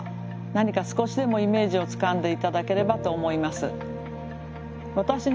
何か少しでもイメージをつかんで頂ければと思います。